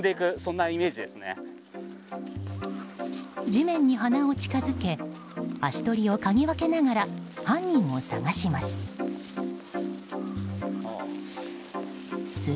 地面を鼻に近づけ足取りをかぎ分けながら犯人を捜します。